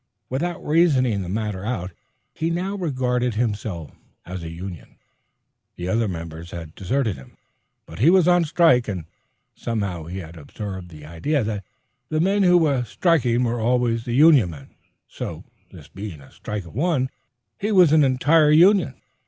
Without reasoning the matter out, he now regarded himself as a union. The other members had deserted him, but he was on a strike; and somehow he had absorbed the idea that the men who were striking were always the union men. So, this being a strike of one, he was an entire union.